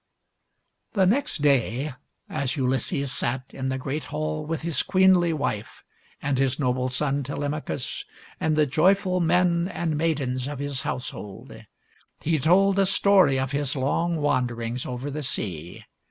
The next day as Ulysses sat in the great hall with his queenly wife and his noble son Telemachus and the joyful men and maidens of his household, he told the story of his long wanderings over the sea.